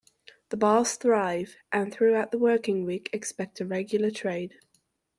The bars thrive and throughout the working week expect a regular trade.